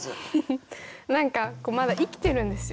何かまだ生きてるんですよ。